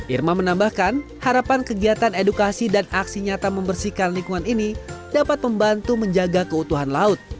irma menambahkan harapan kegiatan edukasi dan aksi nyata membersihkan lingkungan ini dapat membantu menjaga keutuhan laut